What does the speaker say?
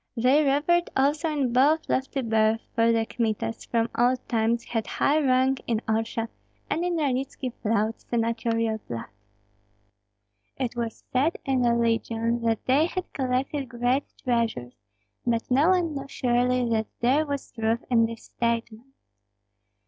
They revered also in both lofty birth; for the Kmitas, from old times, had high rank in Orsha, and in Ranitski flowed senatorial blood. It was said in the legion that they had collected great treasures, but no one knew surely that there was truth in this statement.